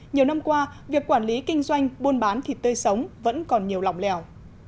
nhiều năm qua việc quản lý kinh doanh buôn bán thịt tươi sống vẫn còn nhiều lòng lèo